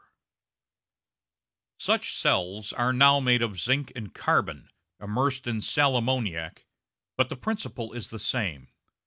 ] Such cells are now made of zinc and carbon, immersed in sal ammoniac, but the principle is the same.